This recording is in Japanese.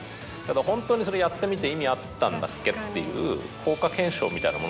ホントにそれやってみて意味あったんだっけっていう。